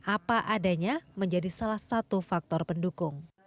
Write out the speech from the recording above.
apa adanya menjadi salah satu faktor pendukung